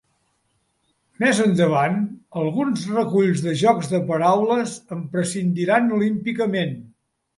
Més endavant, alguns reculls de jocs de paraules en prescindiran olímpicament.